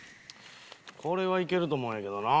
これはいけると思うんやけどな。